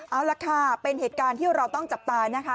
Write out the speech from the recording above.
เอาล่ะค่ะเป็นเหตุการณ์ที่เราต้องจับตานะคะ